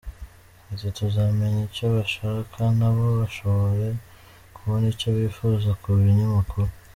Ati “Tuzamenya icyo bashaka, na bo bashobore kubona icyo bifuza ku binyamakuru.